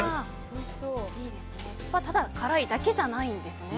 ただ辛いだけじゃないんですね。